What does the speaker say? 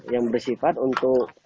yang bersifat untuk